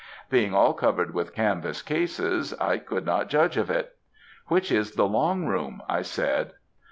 Being all covered with canvas cases, I could not judge of it. 'Which is the long room?' I said.